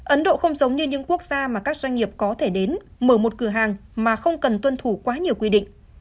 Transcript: ấn độ không giống như những quốc gia mà các doanh nghiệp có thể đến mở một cửa hàng mà không cần tuân thủ quá nhiều quy định